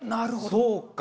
そうか！